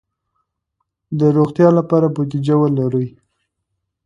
د روغتیا لپاره بودیجه ولرئ.